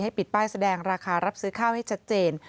ปิดป้ายแสดงราคารับซื้อข้าวให้ชัดเจน